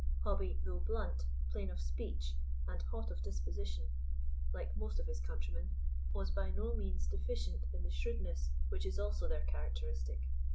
Hobbie, though blunt, plain of speech, and hot of disposition, like most of his countrymen, was by no means deficient in the shrewdness which is also their characteristic.